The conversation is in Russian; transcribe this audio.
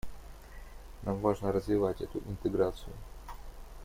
Нам важно развивать эту интеграцию.